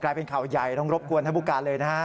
เป็นข่าวใหญ่ต้องรบกวนท่านผู้การเลยนะฮะ